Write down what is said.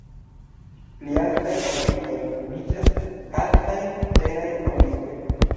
Pli altaj orbitoj nomiĝas "altaj teraj orbitoj".